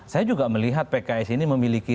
saya juga melihat pks ini memiliki